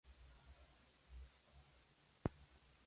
Las palabras Semper Fidelis significan "Siempre Fiel" en latín.